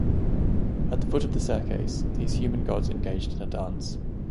At the foot of the staircase, these human gods engaged in a dance.